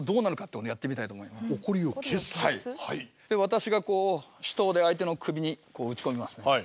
私がこう手刀で相手の首にこう打ち込みます。